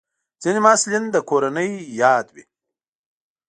ځینې محصلین د کورنۍ یادوي.